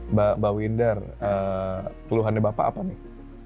mbak windar keluhannya bapak apa nih